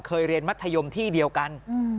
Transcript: เรียนมัธยมที่เดียวกัน